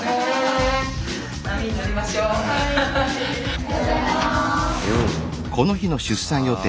おはようございます。